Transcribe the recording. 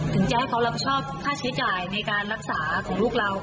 จะให้เขารับผิดชอบค่าใช้จ่ายในการรักษาของลูกเรา